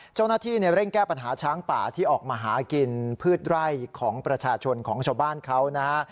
เจ้าหน้าที่เร่งแก้ปัญหาช้างป่าที่ออกมาหากินพืชไร่ของประชาชนของชาวบ้านเขานะฮะ